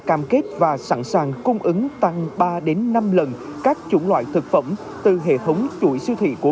cam kết và sẵn sàng cung ứng tăng ba năm lần các chủng loại thực phẩm từ hệ thống chuỗi siêu thị của